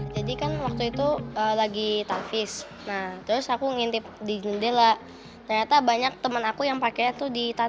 jadi kan waktu itu lagi talvis nah terus aku ngintip di jendela ternyata banyak teman aku yang pakainya tuh di tanah